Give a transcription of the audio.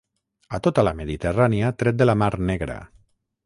A tota la Mediterrània tret de la Mar Negra.